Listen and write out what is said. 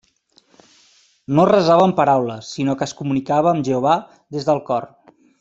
No resava amb paraules, sinó que es comunicava amb Jehovà des del cor.